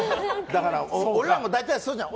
俺らも大体そうじゃん。